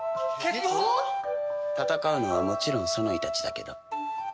戦うのはもちろんソノイたちだけど。